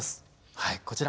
はいこちら。